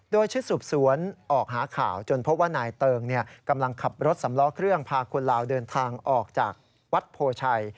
โดยชุดสืบสวนออกหาข่าวจนพบว่านายเติงกำลังขับรถสำล้อเครื่องพาคนลาวเดินทางออกจากวัดโพชัย